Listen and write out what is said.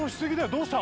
どうした？